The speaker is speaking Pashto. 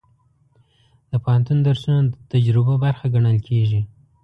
د پوهنتون درسونه د تجربو برخه ګڼل کېږي.